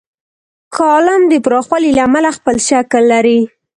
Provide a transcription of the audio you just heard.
کالم د پراخوالي له امله خپل شکل لري.